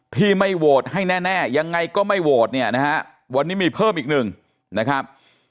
ที่ไม่โหวตให้แน่ยังไงก็ไม่โหวตเนี่ยนะฮะวันนี้มีเพิ่มอีกหนึ่งนะครับ